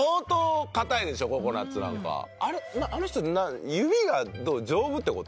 あれあの人指が丈夫って事？